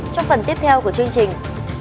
trong phần tiếp theo của chương trình